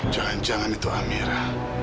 jangan jangan itu amira